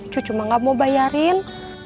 cucu cuma nggak mau bayarin